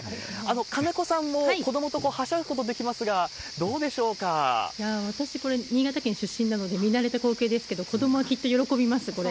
金子さんも子どもとはしゃぐこと私、これ、新潟県出身なので、見慣れた光景ですけど、子どもはきっと喜びます、これ。